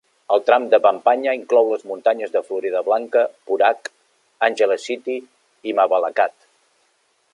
El tram de Pampanga inclou les muntanyes de Floridablanca, Porac, Angeles City i Mabalacat.